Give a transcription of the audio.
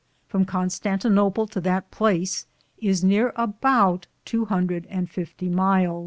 From Constantinople to that place is neare aboute tow hundrethe and fiftie myle.